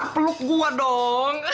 peluk gua dong